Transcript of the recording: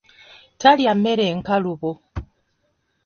Talya mmere nkalubo.